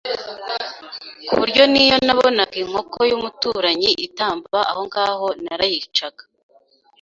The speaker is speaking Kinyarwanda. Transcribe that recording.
ku buryo n’iyo nabonaga inkoko y’umuturanyi itamba ahongaho narayicaga